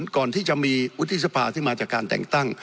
ก่อนที่จะมีวุฒิสภาที่มาจากการแต่งตั้ง